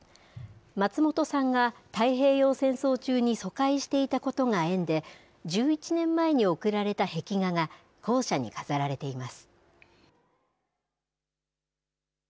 松本さんが太平洋戦争中に疎開していたことが縁で、１１年前に贈られた壁画が校舎に飾られています。